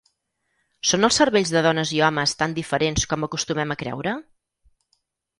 Són els cervells de dones i homes tan diferents com acostumem a creure?